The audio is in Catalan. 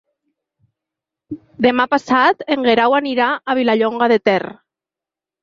Demà passat en Guerau anirà a Vilallonga de Ter.